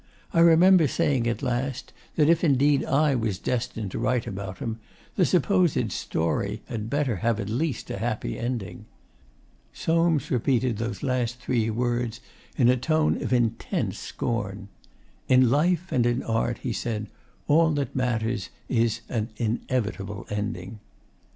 I remember saying at last that if indeed I was destined to write about him, the supposed 'stauri' had better have at least a happy ending. Soames repeated those last three words in a tone of intense scorn. 'In Life and in Art,' he said, 'all that matters is an INEVITABLE ending.